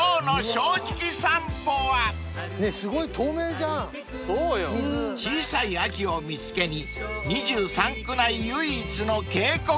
［小さい秋を見つけに２３区内唯一の渓谷へ］